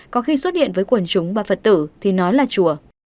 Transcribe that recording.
có khi xuất hiện với quần chúng và phật tử thì nó là chùa